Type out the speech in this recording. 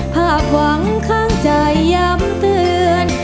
ภาพหวังข้างใจย้ำเตือน